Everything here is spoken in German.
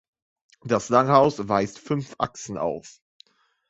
Das Langhaus weist fünf Achsen auf.